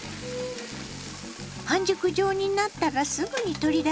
半熟状になったらすぐに取り出します。